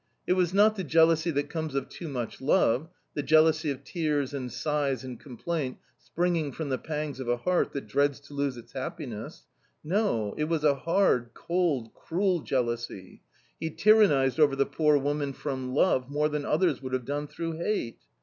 It was not the jealousy that comes of too much love — the jealousy of tears and sighs and complaint spring ing from the pangs of a heart that dreads to lose its happiness — no, it was a hard, cold, cruel jealousy. He tyrannised over the poor woman from love more than others would have done through hate.